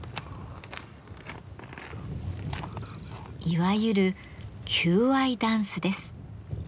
いわゆる「求愛ダンス」です。